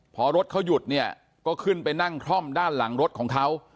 พอรถเขาหยุดเนี่ยก็ขึ้นไปนั่งคล่อมด้านหลังรถของเขา